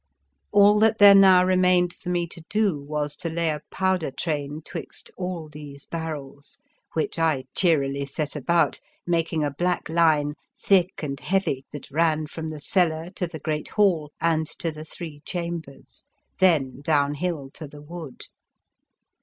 All that there now remained for me to do, was to lay a powder train 'twixt all these barrels, which I cheerily set about, making a black line, thick and heavy, that ran from the cellar to the great hall and to the three chambers, then downhill to the wood.